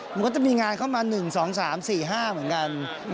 มันก็จะมีงานเข้ามา๑๒๓๔๕เหมือนกัน